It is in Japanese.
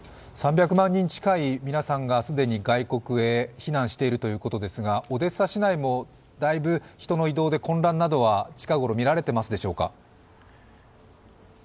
３００万人近い皆さんが既に外国に避難しているということですが、オデッサ市内もだいぶ人の移動で混乱などは近頃見られていますでしょうか？